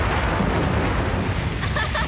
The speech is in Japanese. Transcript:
アハハハハ！